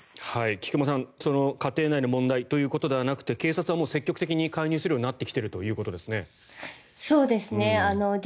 菊間さん、家庭内の問題ということではなくて警察はもう積極的に介入するようになってきているということですね。